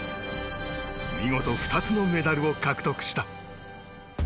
見事、２つのメダルを獲得した。